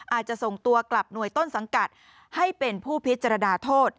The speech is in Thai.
อาจจะส่งตัวกลับหน่วยต้นสังกัดให้เป็นผู้พิจารณาโทษ